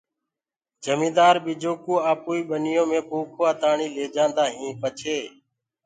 جميندآر ٻجو ڪو آپوئي ٻنيو مي پوکوآ تآڻي ليليندآ هين پڇي